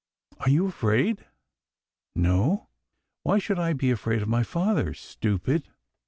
" Are you afraid ?"" No, why should I be afraid of my father, stupid